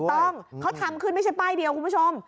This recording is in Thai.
ต้องเขาทำขึ้นไม่ใช่ป้ายเดียวคุณผู้ชม